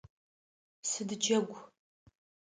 Сыд джэгу?